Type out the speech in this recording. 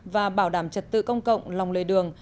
và bảo đảm trật tự công cộng lòng lề đường